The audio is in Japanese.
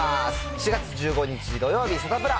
４月１５日土曜日サタプラ。